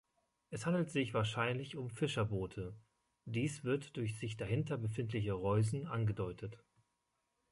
Es handelt sich wahrscheinlich um Fischerboote; dies wird durch sich dahinter befindliche Reusen angedeutet.